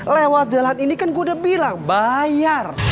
lewat jalan ini kan gue udah bilang bayar